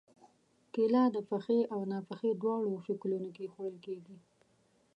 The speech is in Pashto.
کېله د پخې او ناپخې دواړو شکلونو کې خوړل کېږي.